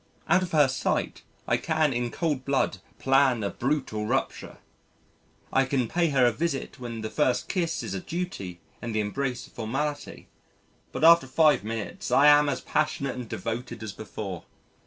Out of her sight, I can in cold blood plan a brutal rupture. I can pay her a visit when the first kiss is a duty and the embrace a formality. But after 5 minutes I am as passionate and devoted as before.